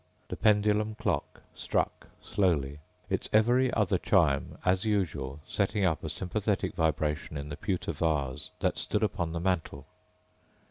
The pendulum clock struck slowly, its every other chime as usual setting up a sympathetic vibration in the pewter vase that stood upon the mantel.